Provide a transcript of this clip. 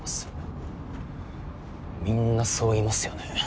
みんなそう言いますよね。